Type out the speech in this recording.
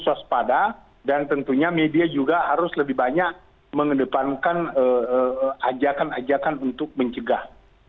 waspada dan tentunya media juga harus lebih banyak mengedepankan ajakan ajakan untuk mencegah